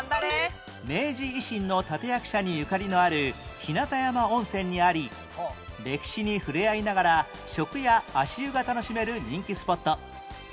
明治維新の立役者にゆかりのある日当山温泉にあり歴史に触れ合いながら食や足湯が楽しめる人気スポット